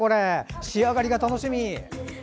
仕上がりが楽しみ。